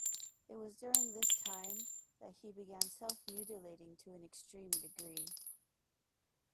It was during this time that he began self-mutilating to an extreme degree.